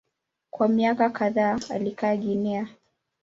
Kwa miaka kadhaa alikaa Guinea.